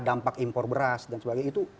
dampak impor beras dan sebagainya itu